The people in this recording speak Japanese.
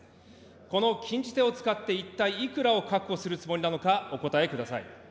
この禁じ手を使って一体いくらを確保するつもりなのか、お答えください。